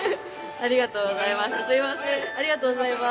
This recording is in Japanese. ありがとうございます。